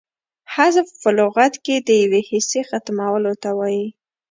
حذف په لغت کښي د یوې حصې ختمولو ته وايي.